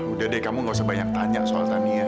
udah deh kamu gak usah banyak tanya soal tania